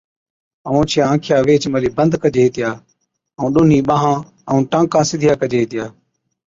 ائُون اوڇِيا آنکيا ويھِچ مھلِي بند ڪجي ھِتيا ائُون ڏُونھِين ٻانھان ائُون ٽانڪان سِڌيا ڪجي ھِتيا